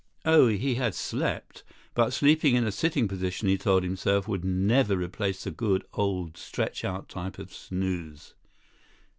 Oh, he had slept. But sleeping in a sitting position, he told himself, would never replace the good, old stretch out type of snooze.